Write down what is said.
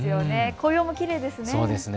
紅葉もきれいですね。